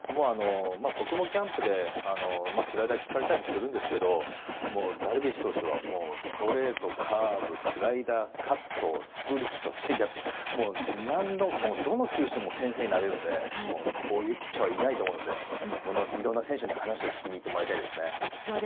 僕もキャンプでスライダーを聞かれたりしますけどダルビッシュ投手はストレート、カーブ、スライダーカット、スプリットチェンジアップどの球種でも先生になれるのでこういうピッチャーはいないと思うのでいろいろな選手に話を聞きに行ってもらいたいですね。